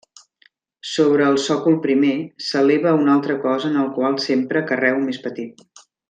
Sobre el sòcol primer, s'eleva un altre cos en el qual s'empra carreu més petit.